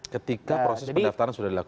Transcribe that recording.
ketika proses pendaftaran sudah dilakukan